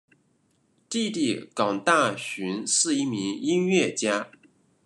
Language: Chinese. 弟弟港大寻是一名音乐家。